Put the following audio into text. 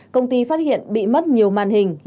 công ty phát hiện bị mất nhiều màn hình